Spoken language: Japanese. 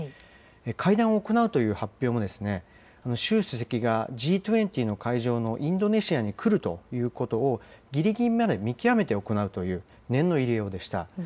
会談を行うという発表も、習主席がＧ２０の会場のインドネシアに来るということを、ぎりぎりまで見極めて行うという、念の入れようでした。